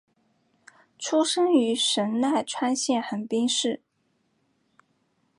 出生于神奈川县横滨市。